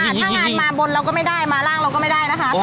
ถ้างานมาบนเราก็ไม่ได้มาร่างเราก็ไม่ได้นะคะ